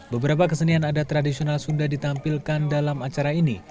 beberapa kesenian adat tradisional sunda ditampilkan dalam acara ini